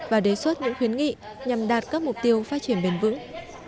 và đề xuất những khuyến nghị nhằm đạt các mục tiêu phát triển bền vững